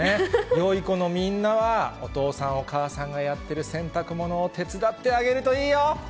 よい子のみんなは、お父さん、お母さんがやってる洗濯物を手伝ってあげるといいよ。